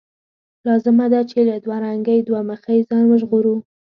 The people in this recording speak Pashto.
لازمه ده چې له دوه رنګۍ، دوه مخۍ ځان وژغورو.